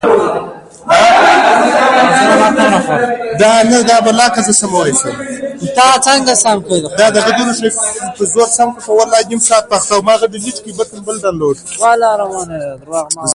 زما عقيده دا ده چې دا به زما پر فکراو عمل اغېز وکړي.